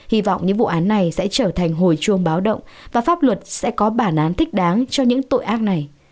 hy vọng những vụ án này sẽ trở thành hồi chuông báo động và pháp luật sẽ có bản án thích đáng cho những tội ác này